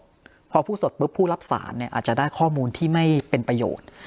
พอพูดสดปุ๊บผู้รับสารเนี่ยอาจจะได้ข้อมูลที่ไม่เป็นประโยชน์